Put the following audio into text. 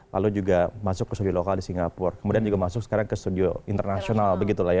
lalu juga masuk ke studio lokal di singapura kemudian juga masuk sekarang ke studio internasional begitu lah ya